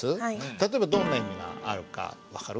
例えばどんな意味があるか分かる？